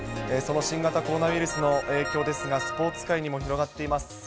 その新型コロナウイルスの影響ですが、スポーツ界にも広がっています。